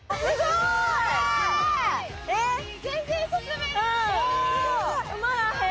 すごい！